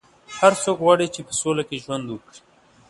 هر څوک غواړي چې په سوله کې ژوند وکړي.